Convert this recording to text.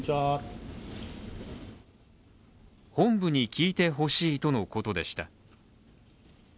本部に聞いてほしいとのことでした。